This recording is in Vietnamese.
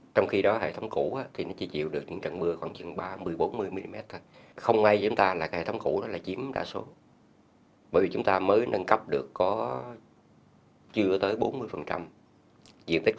trong khi đó hệ thống củ thì nó chỉ chịu được những trận mưa khá lớn lên đến khoảng tám mươi mm trong ba giờ